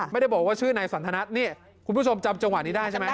ไม่ได้บอกว่าชื่อนายสันทนัทนี่คุณผู้ชมจำจังหวะนี้ได้ใช่ไหม